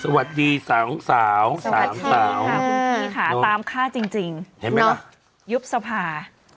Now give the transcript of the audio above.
สวัสดีสาวสวัสดีค่ะตามค่าจริงยุปสภา๒๐